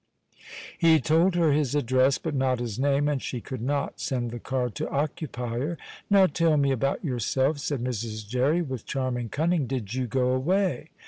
He told her his address, but not his name, and she could not send the card to "Occupier." "Now tell me about yourself," said Mrs. Jerry, with charming cunning. "Did you go away?"